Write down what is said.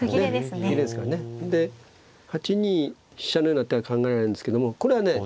８二飛車のような手が考えられるんですけどもこれはね